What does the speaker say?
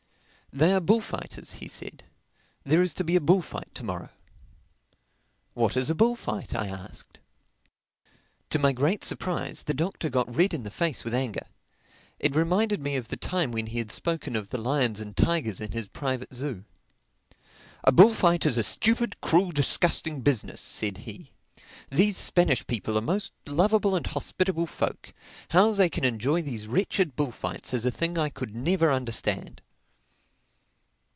"They are the bullfighters," he said. "There is to be a bullfight to morrow." "What is a bullfight?" I asked. To my great surprise the Doctor got red in the face with anger. It reminded me of the time when he had spoken of the lions and tigers in his private zoo. "A bullfight is a stupid, cruel, disgusting business," said he. "These Spanish people are most lovable and hospitable folk. How they can enjoy these wretched bullfights is a thing I could never understand."